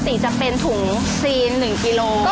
ปกติจะเป็นถุง๔๑กิโลกรัม